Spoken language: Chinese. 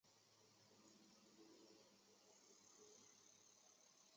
这种帽也是中亚和南亚穆斯林男子常佩戴的帽子。